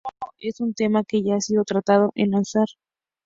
Según Maduro, "es un tema que ya ha sido tratado en Unasur".